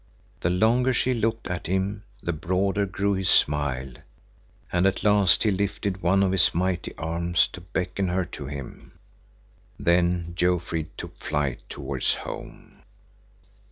The longer she looked at him the broader grew his smile, and at last he lifted one of his mighty arms to beckon her to him. Then Jofrid took flight towards home.